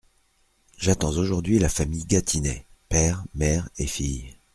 J’attends aujourd’hui la famille Gatinais, père, mère et fille.